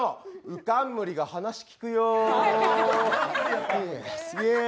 うかんむりが話、聞くよー。